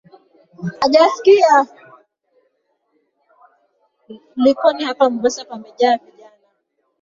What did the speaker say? Likoni hapa Mombasa pamejaa vijana.